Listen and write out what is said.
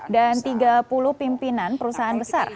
dan tiga puluh pimpinan perusahaan besar